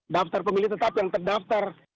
daftar pemilih tetap yang terdaftar